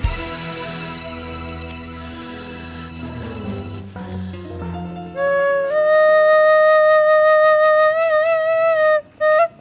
siapa tau dia lewat sana